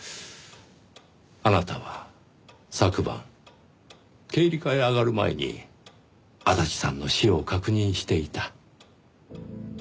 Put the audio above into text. あなたは昨晩経理課へ上がる前に足立さんの死を確認していた。